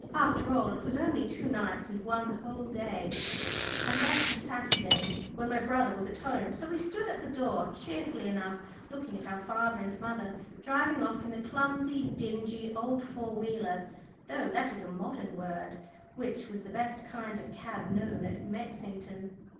After all, it was only two nights and one whole day, and that a Sunday, when my brother was at home, so we stood at the door cheerfully enough, looking at our father and mother driving off in the clumsy, dingy old four wheeler though that is a modern word which was the best kind of cab known at Mexington.